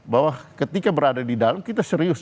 bahwa ketika berada di dalam kita serius